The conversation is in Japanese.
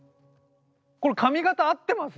これ髪形合ってます？